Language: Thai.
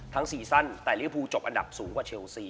ทั้งซีสันแต่ลีโอปูจบอันดับสูงกว่าเชลสี